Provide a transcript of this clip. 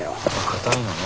固いのね。